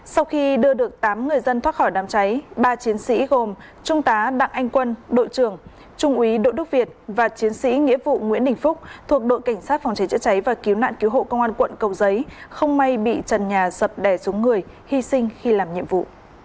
sau khi đưa được tám người dân thoát khỏi đám cháy ba chiến sĩ gồm trung tá đặng anh quân đội trưởng trung úy đội đức việt và chiến sĩ nghĩa vụ nguyễn đình phúc thuộc đội cảnh sát phòng cháy chữa cháy và cứu nạn cứu hộ công an quận cầu giấy không may bị trần nhà sập đẻ xuống người hy sinh khi làm nhiệm vụ